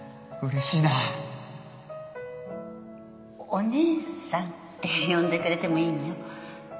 お姉さんって呼んでくれてもいいのよ